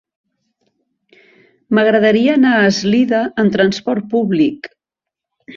M'agradaria anar a Eslida amb transport públic.